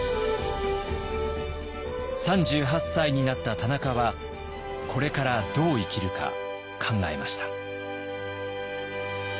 ３８歳になった田中はこれからどう生きるか考えました。